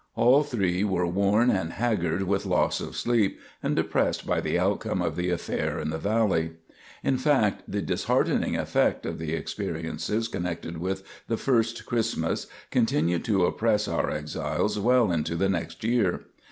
All three were worn and haggard with loss of sleep, and depressed by the outcome of the affair in the valley. In fact, the disheartening effect of the experiences connected with this first Christmas continued to oppress our exiles well into the next year.